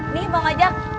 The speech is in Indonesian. nih mau ngajak